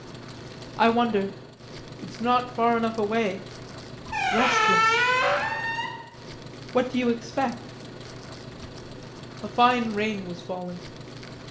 "I wonder. It's not far enough away. Restless!" "What do you expect?" A fine rain was falling.